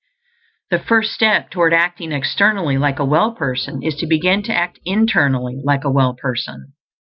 The first step toward acting externally like a well person is to begin to act internally like a well person.